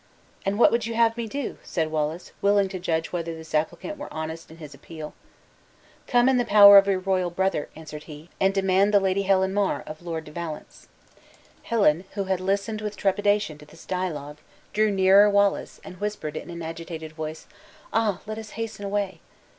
"And what would you have me do?" said Wallace, willing to judge whether this applicant were honest in his appeal. "Come in the power of your royal brother," answered he, "and demand the Lady Helen Mar of Lord de Valence." Helen, who had listened with trepidation to this dialogue, drew nearer Wallace, and whispered in an agitated voice, "Ah! let us hasten away."